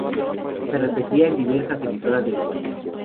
Se repetía en diversas emisoras de Uruguay.